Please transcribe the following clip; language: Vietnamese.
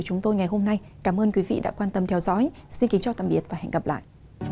cảm ơn quý vị đã quan tâm theo dõi xin kính chào tạm biệt và hẹn gặp lại